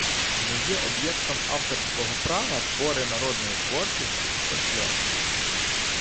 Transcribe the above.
Не є об'єктом авторського права твори народної творчості, фольклор